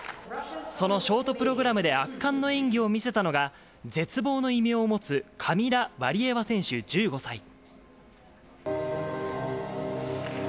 そのショートプログラムで圧巻の演技を見せたのが、絶望の異名を持つカミラ・ワリエワ選手１５歳。